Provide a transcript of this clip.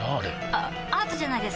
あアートじゃないですか？